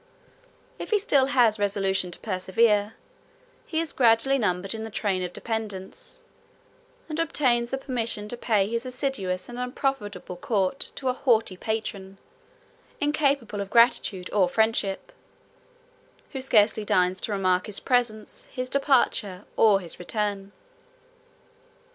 If he still has resolution to persevere, he is gradually numbered in the train of dependants, and obtains the permission to pay his assiduous and unprofitable court to a haughty patron, incapable of gratitude or friendship; who scarcely deigns to remark his presence, his departure, or his return.